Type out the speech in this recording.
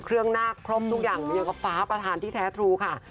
เครื่องหน้าครบทุกอย่างอย๑๑๒ประธานที่แทชูค่ะ